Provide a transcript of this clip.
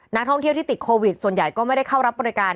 นักท่องเที่ยวที่ติดโควิดส่วนใหญ่ก็ไม่ได้เข้ารับบริการ